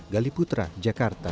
gali putra jakarta